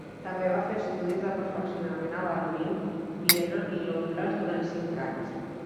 També va fer estudis de perfeccionament a Berlín, Viena i Londres durant cinc anys.